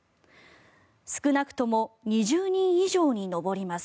少なくとも２０人以上に上ります。